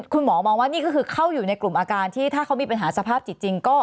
คุณหมอมองว่านี่ก็คือเข้าอยู่ในกลุ่มอาการที่ถ้าเขามีปัญหาสภาพจิตจริงก็